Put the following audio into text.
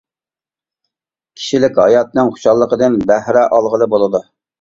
كىشىلىك ھاياتنىڭ خۇشاللىقىدىن بەھرە ئالغىلى بولىدۇ.